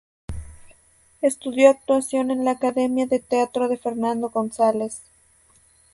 Estudió actuación en la Academia de Teatro de Fernando González.